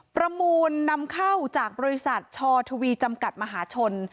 ประมูลนำเข้าจากบริษัทชทวีจำกัดมหาชน